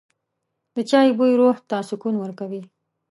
د چای بوی روح ته سکون ورکوي.